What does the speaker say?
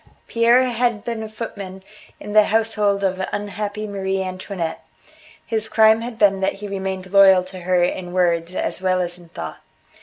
Pierre had been a footman in the household of unhappy Marie Antoinette. His crime had been that he remained loyal to her in words as well as in thought.